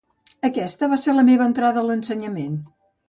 Aquesta va ésser la meva entrada a l'ensenyament.